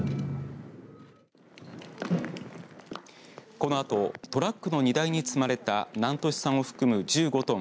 このあとトラックの荷台に積まれた南砺市産を含む１５トン